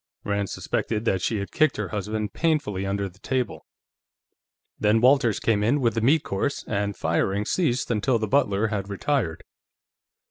Rand suspected that she had kicked her husband painfully under the table. Then Walters came in with the meat course, and firing ceased until the butler had retired.